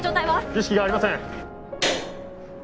意識がありません。